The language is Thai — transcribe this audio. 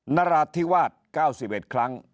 นราธิวาส๙๑ครั้ง